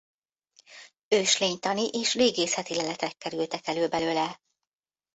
Őslénytani és régészeti leletek kerültek elő belőle.